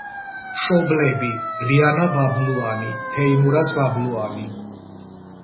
მშობლები: ლიანა ბაბლუანი, თეიმურაზ ბაბლუანი.